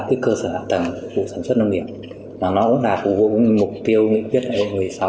cái cơ sở tầng của sản xuất nông nghiệp và nó cũng là phù hợp với mục tiêu nghị quyết một mươi sáu của